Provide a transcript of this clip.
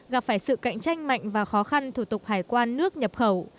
gặp phải sự cạnh tranh mạnh và khó khăn thủ tục hải quan nước nhập khẩu